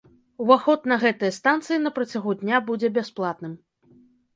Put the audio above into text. Уваход на гэтыя станцыі на працягу дня будзе бясплатным.